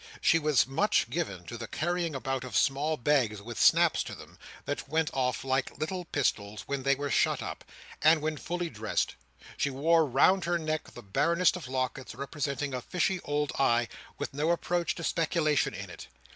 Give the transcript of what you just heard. She was much given to the carrying about of small bags with snaps to them, that went off like little pistols when they were shut up; and when full dressed, she wore round her neck the barrenest of lockets, representing a fishy old eye, with no approach to speculation in it.